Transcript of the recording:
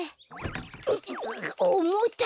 ううおもたいよ！